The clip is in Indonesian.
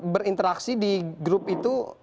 berinteraksi di grup itu